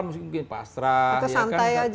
muslim mungkin pasrah atau santai aja